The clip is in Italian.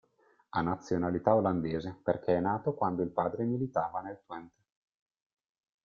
Ha nazionalità olandese perché è nato quando il padre militava nel Twente.